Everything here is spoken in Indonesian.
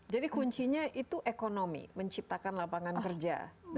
jadi kuncinya itu ekonomi menciptakan lapangan kerja dan lain lain